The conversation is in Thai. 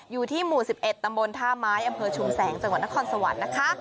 อยู่ที่หมู่๑๑ตำบลท่าไม้อำเภอชุมแสงจังหวัดนครสวรรค์นะคะ